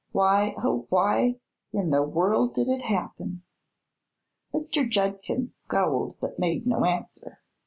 Why, oh, why in the world did it happen?" Mr. Judkins scowled but made no answer.